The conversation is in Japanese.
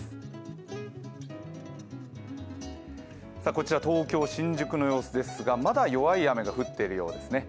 こちら東京・新宿の様子ですがまだ弱い雨が降っているようですね。